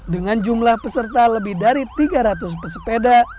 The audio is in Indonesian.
dengan jumlah peserta lebih dari tiga ratus pesepeda